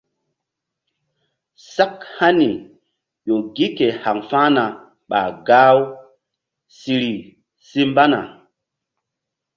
Sak hani ƴo gi ke haŋ fa̧hna ɓa gah u siri si mbana.